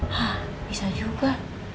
hah bisa juga